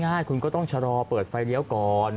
ง่ายคุณก็ต้องชะลอเปิดไฟเลี้ยวก่อน